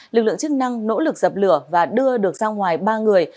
lực lượng chức năng nỗ lực dập lửa và đưa được ra ngoài ba người